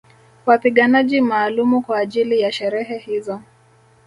Wapiganaji maalumu kwa ajili ya sherehe hizo